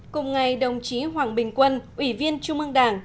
cùng ngày đồng chí hoàng bình quân ủy viên trung ương đảng